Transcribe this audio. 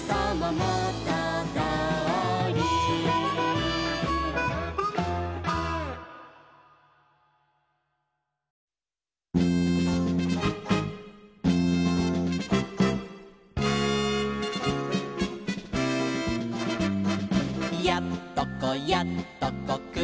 「やっとこやっとこくりだした」